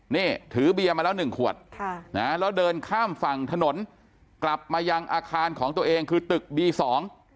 นี่ถือเบียร์มาแล้วหนึ่งขวดค่ะนะแล้วเดินข้ามฝั่งถนนกลับมายังอาคารของตัวเองคือตึกบีสอง